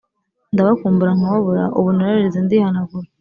Ndabakumbura nkababura ubu nararize ndihanagura